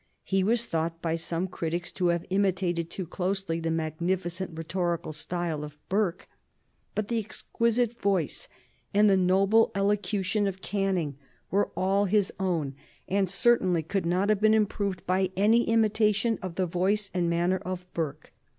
He was thought by some critics to have imitated too closely the magnificent rhetorical style of Burke, but the exquisite voice and the noble elocution of Canning were all his own and certainly could not have been improved by any imitation of the voice and manner of Burke.